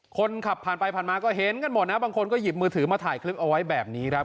คนขับผ่านไปผ่านมาก็เห็นกันหมดนะบางคนก็หยิบมือถือมาถ่ายคลิปเอาไว้แบบนี้ครับ